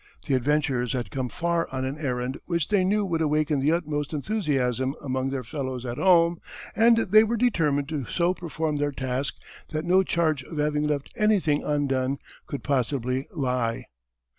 The adventurers had come far on an errand which they knew would awaken the utmost enthusiasm among their fellows at home and they were determined to so perform their task that no charge of having left anything undone could possibly lie.